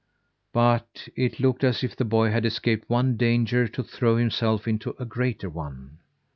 But it looked as if the boy had escaped one danger to throw himself into a greater one.